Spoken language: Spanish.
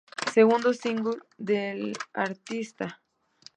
Segundo single de la artista.